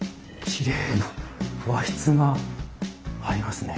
きれいな和室がありますね。